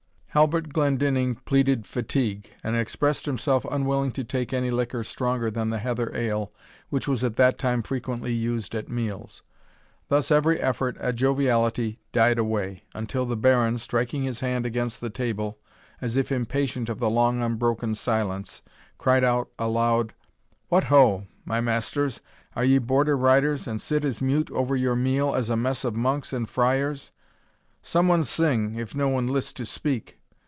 Halbert Glendinning pleaded fatigue, and expressed himself unwilling to take any liquor stronger than the heather ale, which was at that time frequently used at meals. Thus every effort at jovialty died away, until the Baron, striking his hand against the table, as if impatient of the long unbroken silence, cried out aloud, "What, ho! my masters are ye Border riders, and sit as mute over your meal as a mess of monks and friars? Some one sing, if no one list to speak.